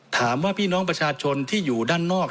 ถามว่าพี่น้องประชาชนที่อยู่ด้านนอก